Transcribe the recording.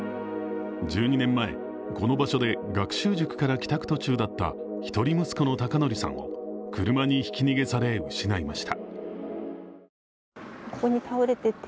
１２年前、この場所で学習塾から帰宅途中だった一人息子の孝徳さんを車にひき逃げされ、失いました。